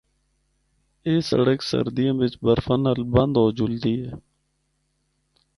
اے سڑک سردیاں بچ برفا نال بند ہو جلدی اے۔